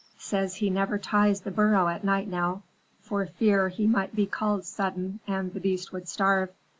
Says he never ties the burro at night now, for fear he might be called sudden, and the beast would starve.